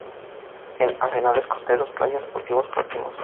En arenales costeros, playas y cultivos próximos.